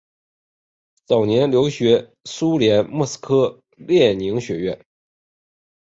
早年留学苏联莫斯科列宁学院。